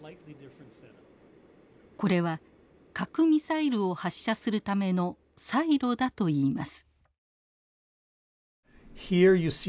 これは核ミサイルを発射するためのサイロだといいます。